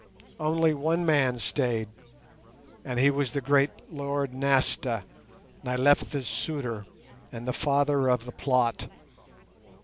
Only one man stayed, and he was the great lord Nasta, Nyleptha's suitor, and the father of the plot.